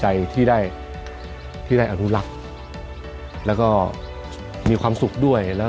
ใจที่ได้ที่ได้อนุรักษ์แล้วก็มีความสุขด้วยแล้ว